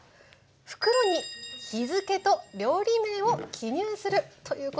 袋に日付と料理名を記入するということなんですけれども。